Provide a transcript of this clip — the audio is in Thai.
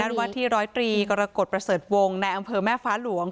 วัดที่ร้อยตรีกรกฎประเสริฐวงศ์ในอำเภอแม่ฟ้าหลวง